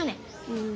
うん。